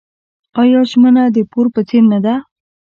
آیا ژمنه د پور په څیر نه ده؟